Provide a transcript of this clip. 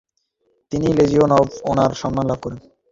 তিনি legion of honour সম্মান লাভ করেন।